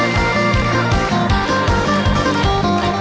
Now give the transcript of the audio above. รอดรอดรอดรอด